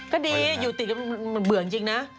ก็ดีอยู่ติดมันเหมือนเบื่องจริงนะ